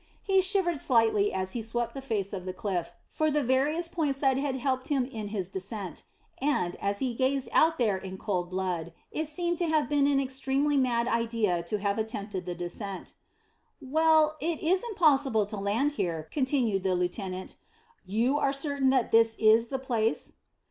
He shivered slightly as he swept the face of the cliff for the various points that had helped him in his descent, and, as he gazed out there in cold blood, it seemed to have been an extremely mad idea to have attempted the descent. "Well, it is impossible to land here," continued the lieutenant. "You are certain that this is the place?"